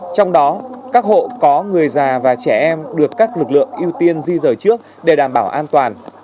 trong đó các hộ có người già và trẻ em được các lực lượng ưu tiên di rời trước để đảm bảo an toàn